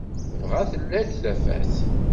Dɣa tella-d tafat.